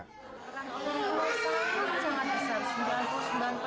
peran orang tua sangat besar sembilan puluh sembilan persen di tangan orang tua